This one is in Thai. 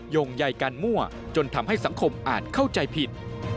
โยงใยการมั่วจนทำให้สังคมอาจเข้าใจผิด